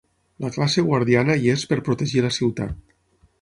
La classe guardiana hi és per protegir la ciutat.